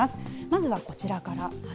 まずはこちらから。